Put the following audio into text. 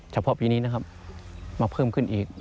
เฉพาะปีนี้นะครับมาเพิ่มขึ้นอีก